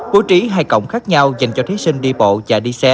bố trí hai cổng khác nhau dành cho thí sinh đi bộ và đi xe